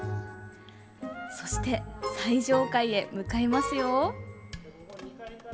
そして、最上階へ向かいますよ。